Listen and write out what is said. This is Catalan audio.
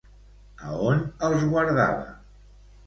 A on els guardava?